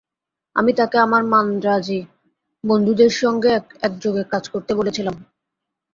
আমি তাঁকে আমার মান্দ্রাজী বন্ধুদের সঙ্গে একযোগে কাজ করতে বলেছিলাম।